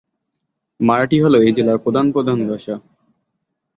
মারাঠি হ'ল এই জেলার প্রধান প্রধান ভাষা।